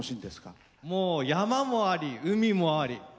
山もあり、海もあり。